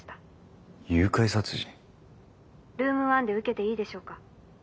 ルーム１で受けていいでしょうか？